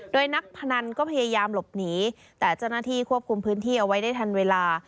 โดยนักพนันก็พยายามหลบหนีแต่เจ้าหน้าที่ควบคุมพื้นที่เอาไว้ได้ทันเวลา